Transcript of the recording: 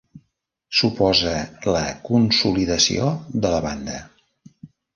Suposa la consolidació de la banda.